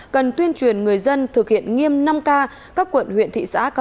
cần tuyên truyền người dân thực hiện nghiêm năm k